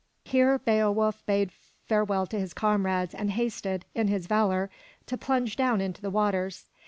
Here Beowulf bade farewell to his comrades and hasted, in his valor, to plunge down into the waters.